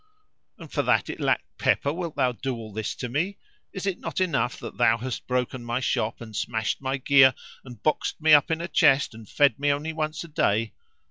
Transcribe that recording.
"And for that it lacked pepper wilt thou do all this to me? Is it not enough that thou hast broken my shop and smashed my gear and boxed me up in a chest and fed me only once a day?"